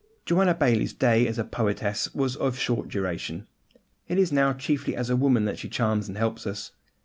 Joanna Baillie's day as a poetess was of short duration: it is now chiefly as a woman that she charms and helps us.